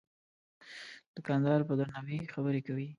دوکاندار په درناوي خبرې کوي.